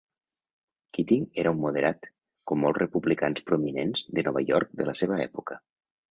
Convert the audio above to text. Keating era un moderat, com molts republicans prominents de Nova York de la seva època.